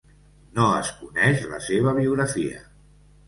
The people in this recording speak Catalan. No es coneix la seva biografia.